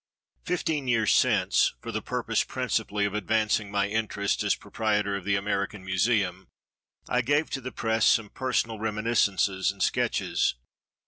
Fifteen years since, for the purpose, principally, of advancing my interests as proprietor of the American Museum, I gave to the press some personal reminiscences and sketches.